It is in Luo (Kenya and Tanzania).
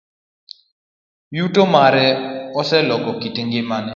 Yuto mare oseloko kit ngimagi.